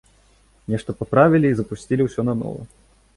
Нешта паправілі, і запусцілі ўсё нанова.